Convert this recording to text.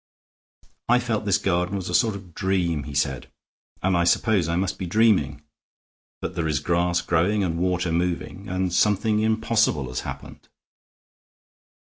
"I felt this garden was a sort of dream," he said, "and I suppose I must be dreaming. But there is grass growing and water moving; and something impossible has happened."